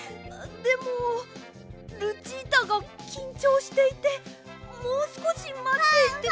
でもルチータがきんちょうしていてもうすこしまって。